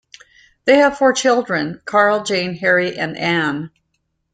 They have four children: Carl, Jane, Harry, and Ann.